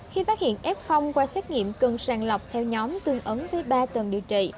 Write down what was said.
khi phát hiện f qua xét nghiệm cần sàng lọc theo nhóm tương ứng với ba tuần điều trị